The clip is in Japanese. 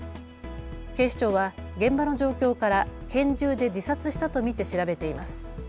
警視庁は現場の状況から拳銃で自殺したと見て調べています。